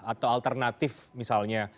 atau alternatif misalnya